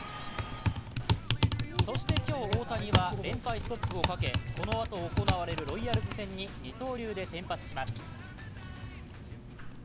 そして今日、大谷は連敗ストップをかけこのあと行われるロイヤルズ戦に二刀流で先発します。